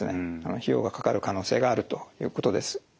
費用がかかる可能性があるということです。